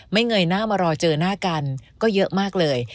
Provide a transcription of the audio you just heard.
เงยหน้ามารอเจอหน้ากันก็เยอะมากเลย